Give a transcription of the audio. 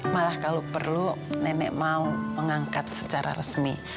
malah kalau perlu nenek mau mengangkat secara resmi